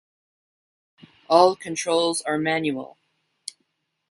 All controls are manual.